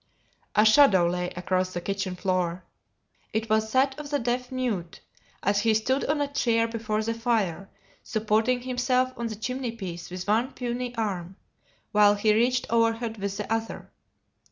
A shadow lay across the kitchen floor; it was that of the deaf mute, as he stood on a chair before the fire, supporting himself on the chimney piece with one puny arm, while he reached overhead with the other.